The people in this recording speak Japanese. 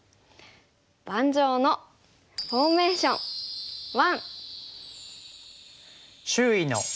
「盤上のフォーメーション１」。